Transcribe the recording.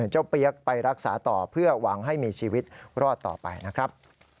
เปี๊ยกไปรักษาต่อเพื่อหวังให้มีชีวิตรอดต่อไปนะครับ